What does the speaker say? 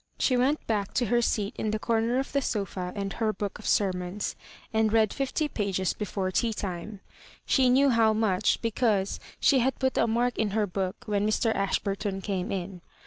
She went back to her seat in the comer of the sofa and her book of sermons, and read fifty pages before tea time ; she knew how much, because she had put a mark in her book when Mr. Ashburton came in.